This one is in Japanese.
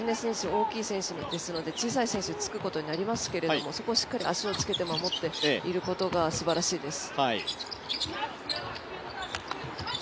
大きい選手ですので小さい選手がつくことになりますけども、そこでしっかり守っていることがすばらしいです。